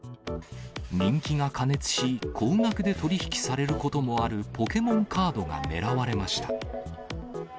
人気が過熱し、高額で取り引きされることもあるポケモンカードが狙われました。